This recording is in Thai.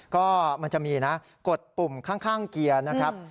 ก็มันจะมีนะกดปุ่มข้างเกียร์นะครับ